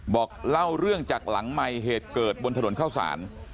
บอกเล่าเรื่องจากหลังใหม่เหตุเกิดบนถนนเข้าสาร